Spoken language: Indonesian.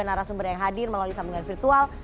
narasumber yang hadir melalui sambungan virtual